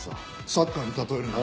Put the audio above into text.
サッカーに例えるなら。